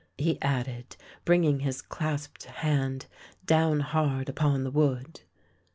" he added, bringing his clasped hand down hard upon the wood.